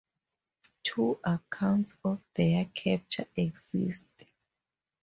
Two accounts of their capture exist.